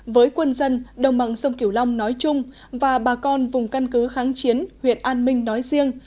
với quân dân đồng bằng sông kiểu long nói chung và bà con vùng căn cứ kháng chiến huyện an minh nói riêng